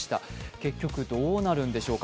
結局どうなるんでしょうか。